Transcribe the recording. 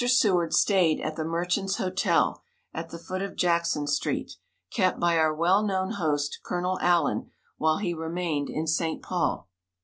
Seward stayed at the Merchant's Hotel, at the foot of Jackson street, kept by our well known host, Colonel Allen, while he remained in St. Paul.